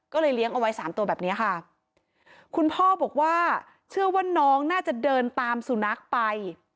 ก็เลยเลี้ยงเอาไว้สามตัวแบบเนี้ยค่ะคุณพ่อบอกว่าเชื่อว่าน้องน่าจะเดินตามสุนัขไป